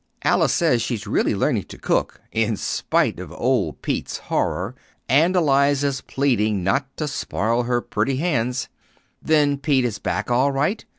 "Alice says she's really learning to cook, in spite of old Pete's horror, and Eliza's pleadings not to spoil her pretty hands." "Then Pete is back all right?